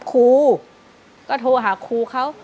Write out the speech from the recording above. ครูก็โทรหาครูเขา